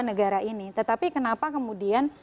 negara ini tetapi kenapa kemudian